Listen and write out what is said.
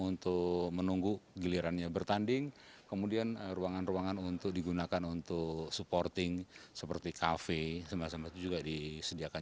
untuk menunggu gilirannya bertanding kemudian ruangan ruangan untuk digunakan untuk supporting seperti kafe sama sama itu juga disediakan